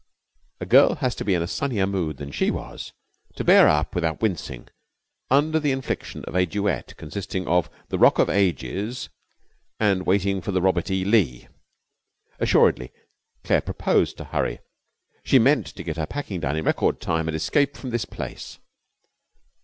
A girl has to be in a sunnier mood than she was to bear up without wincing under the infliction of a duet consisting of the Rock of Ages and Waiting for the Robert E. Lee. Assuredly Claire proposed to hurry. She meant to get her packing done in record time and escape from this place.